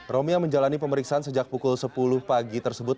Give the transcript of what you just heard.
romi yang menjalani pemeriksaan sejak pukul sepuluh pagi tersebut